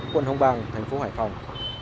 quận hồng bàng thành phố hải phòng